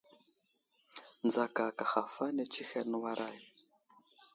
Nzaka aka haf ane tsəheɗ, nəwuray !